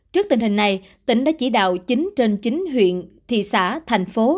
trước tình hình này tỉnh đã chỉ đạo chín trên chín huyện thị xã thành phố